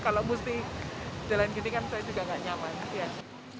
kalau mesti jalan gini kan saya juga nggak nyaman